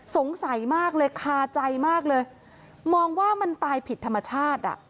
สงสัยมากเลยคาใจมากเลยมองว่ามันตายผิดธรรมชาติอ่ะ